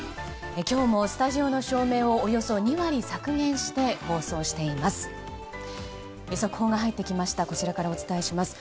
今日もスタジオの照明をおよそ２割削減して放送しています。